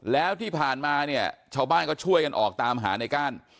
แล้วที่ผ่านมาเนี่ยชาวบ้านก็ช่วยกันออกตามหาในก้าน